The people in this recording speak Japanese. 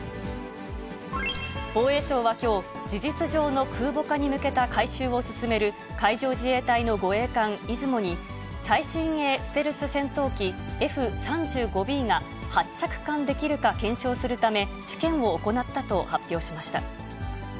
防衛省はきょう、事実上の空母化に向けた改修を進める海上自衛隊の護衛艦いずもに、最新鋭ステルス戦闘機、Ｆ３５Ｂが、発着艦できるか検証するため、試験を行ったと発表しました。